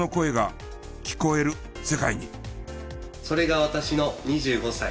それが私の２５歳。